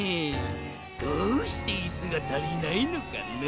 どうしていすがたりないのかな？